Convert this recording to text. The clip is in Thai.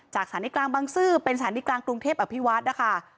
สถานีกลางบังซื้อเป็นสถานีกลางกรุงเทพอภิวัฒน์นะคะ